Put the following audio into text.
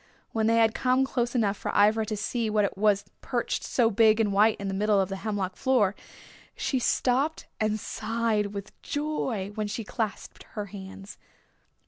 When they had come close enough for Ivra to see what it was perched so big and white in the middle of the hemlock floor she stopped and sighed with joy while she clasped her hands.